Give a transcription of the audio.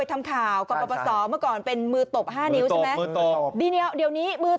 ทำข่าวก็ประสอบเมื่อก่อนเป็นมือตบห้านิ้วดีเดี๋ยวนี้มือ